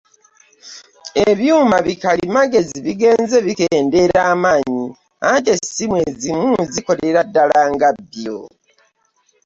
Ebyuma bi kalimagezi bigenze bikendeera amaanyi anti essimu ezimu zikolera ddala nga byo.